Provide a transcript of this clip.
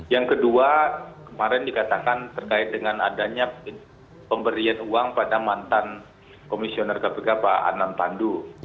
yang kedua kemarin dikatakan terkait dengan adanya pemberian uang pada mantan komisioner kpk pak anan pandu